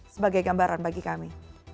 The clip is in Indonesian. sebagai gambaran bagi kami